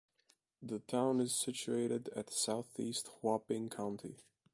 The town is situated at southeastern Huaping County.